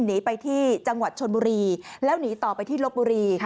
หนีไปที่จังหวัดชนบุรีแล้วหนีต่อไปที่ลบบุรี